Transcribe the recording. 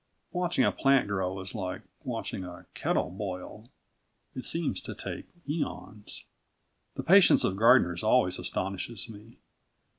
Watching a plant grow is like watching a kettle boil. It seems to take æons. The patience of gardeners always astonishes me.